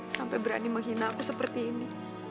sampai berani menghina aku seperti ini